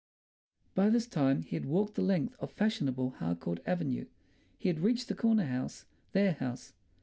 By this time he had walked the length of fashionable Harcourt Avenue; he had reached the corner house, their house.